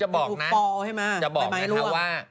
จะบอกนะจะบอกนะครับว่า